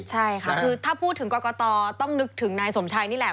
ใช่ค่ะคือถ้าพูดถึงกรกตต้องนึกถึงนายสมชัยนี่แหละ